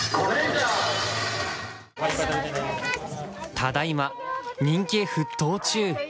ただ今人気沸騰中！